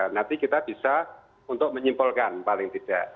nanti kita bisa untuk menyimpulkan paling tidak